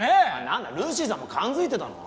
なんだルーシーさんも感づいてたの？